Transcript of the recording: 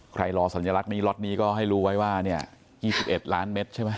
รอสัญลักษณ์นี้ล็อตนี้ก็ให้รู้ไว้ว่าเนี่ย๒๑ล้านเม็ดใช่ไหม